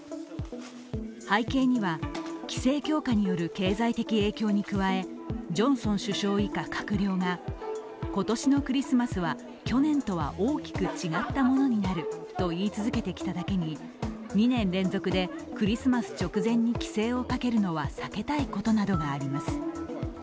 背景には、規制強化による経済的影響に加え、ジョンソン首相以下閣僚が今年のクリスマスは去年とは大きく違ったものになると言い続けてきただけに、２年連続でクリスマス直前に規制をかけるのは避けたいことなどがあります。